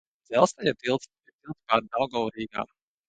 Dzelzceļa tilts ir tilts pār Daugavu Rīgā.